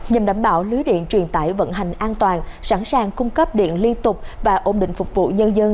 nhằm đảm bảo lưới điện truyền tải vận hành an toàn sẵn sàng cung cấp điện liên tục và ổn định phục vụ nhân dân